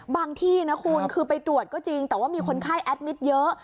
ที่นะคุณคือไปตรวจก็จริงแต่ว่ามีคนไข้แอดมิตรเยอะ